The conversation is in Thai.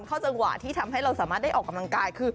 เข้าจังหวะที่ทำให้เราสามารถได้ออกกำลังกายคือ